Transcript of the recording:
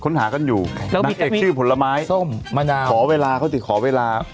นางเอกชื่อผลไม้ขอเวลาเขาติดขอเวลา